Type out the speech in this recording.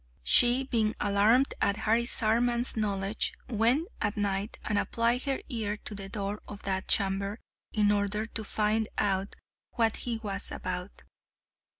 She, being alarmed at Harisarman's knowledge, went at night and applied her ear to the door of that chamber in order to find out what he was about.